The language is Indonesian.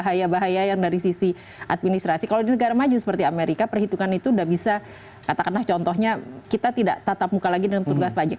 jadi ini ada bahaya yang dari sisi administrasi kalau di negara maju seperti amerika perhitungan itu udah bisa katakanlah contohnya kita tidak tatap muka lagi dalam tugas pajak